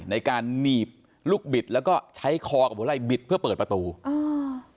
ในการหนีบลูกบิดแล้วก็ใช้คอกับหัวไล่บิดเพื่อเปิดประตูอ่า